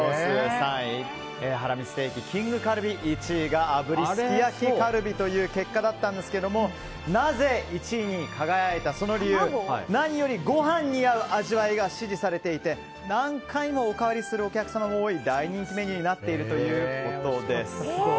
３位、ハラミステーキ２位、きんぐカルビ１位が炙りすき焼きカルビという結果だったんですがなぜ１位に輝いたのかその理由は何よりご飯に合う味わいが支持されていて何回もおかわりするお客様も多い大人気メニューになっているということです。